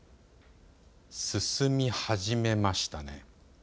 進み始めましたね。